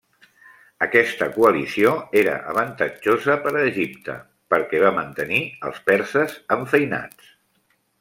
Aquesta coalició era avantatjosa per a Egipte, perquè va mantenir els perses enfeinats.